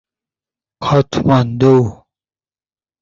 کاتماندو